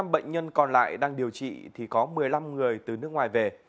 năm bệnh nhân còn lại đang điều trị thì có một mươi năm người từ nước ngoài về